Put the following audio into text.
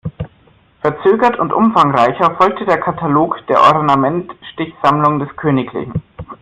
Verzögert und umfangreicher folgte der "Katalog der Ornamentstich-Sammlung des Kgl.